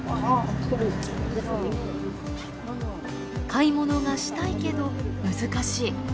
買い物がしたいけど難しい。